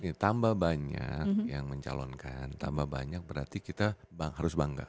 ya tambah banyak yang mencalonkan tambah banyak berarti kita harus bangga